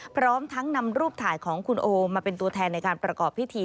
พร้อมทั้งนำรูปถ่ายของคุณโอมาเป็นตัวแทนในการประกอบพิธี